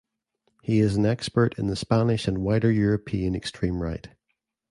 He is an expert in the Spanish and wider European extreme right.